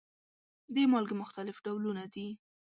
د مالګې مختلف ډولونه دي.